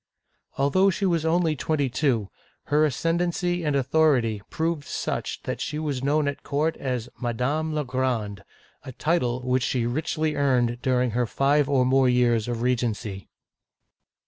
" Although she was only twenty two, her ascendency and authority proved such that she was known at court as " Madame la Grande," a title which she richly earned dur ing her five or more years of regency.